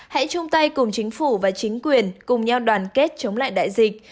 hãy chung tay cùng chính phủ và chính quyền cùng nhau đoàn kết chống lại đại dịch